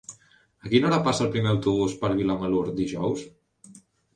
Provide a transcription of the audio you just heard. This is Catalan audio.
A quina hora passa el primer autobús per Vilamalur dijous?